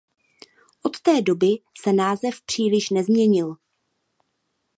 Od té doby se název příliš nezměnil.